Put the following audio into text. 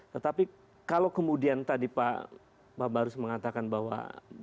tetapi kalau kemudian tadi pak barus mengatakan bahwa